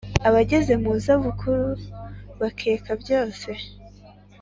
abageze mu zabukuru bakeka byose,